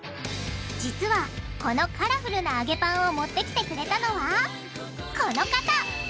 実はこのカラフルな揚げパンを持ってきてくれたのはこの方！